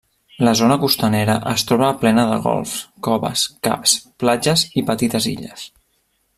La zona costanera es troba plena de golfs, coves, caps, platges i petites illes.